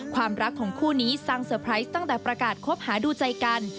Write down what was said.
ความรักของคู่นี้สร้างเซอร์ไพรส์ตั้งแต่ประกาศคบหาดูใจกัน